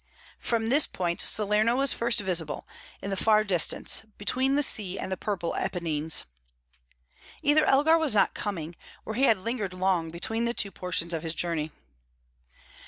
From this point Salerno was first visible, in the far distance, between the sea and the purple Apennines. Either Elgar was not coming, or he had lingered long between the two portions of his journey.